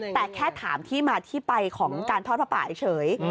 แต่แค่ถามที่มาที่ไปของการทอดผ้าป่าเฉย